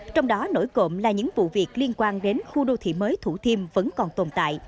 trong đó nổi cộm là những vụ việc liên quan đến khu đô thị mới thủ thiêm vẫn còn tồn tại